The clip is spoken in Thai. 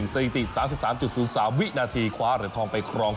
สถิติ๓๓๐๓วินาทีคว้าเหรียญทองไปครอง